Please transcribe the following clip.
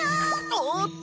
おおっと！